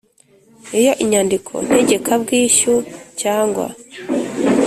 Iyo inyandiko ntegekabwishyu cyangwa